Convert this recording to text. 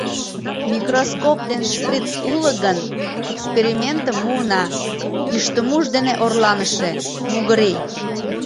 — Микроскоп ден шприц уло гын, экспериментым муына, йӱштымуж дене орланыше — мугыри...